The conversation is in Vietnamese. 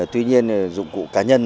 tuy nhiên dụng cụ cá nhân